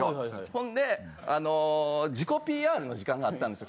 ほんで自己ＰＲの時間があったんですよ